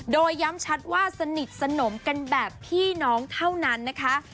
โดยย้ำชัดว่าสนิทสนมกันแบบพี่น้องเท่านั้นนะคะ